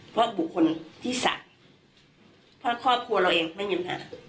เพราะบุคคลที่สามเพราะครอบครัวเราเองไม่มีปัญหา